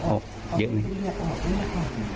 ออกปีถูแลอออกเนี่ยค่ะ